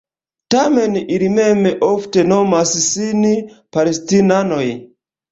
Tamen, ili mem ofte nomas sin Palestinanoj.